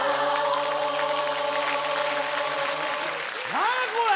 何やこれ！